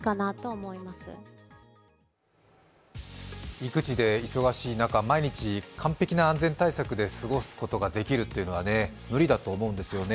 育児で忙しい中、毎日完璧な安全対策で過ごすというのは無理だと思うんですよね、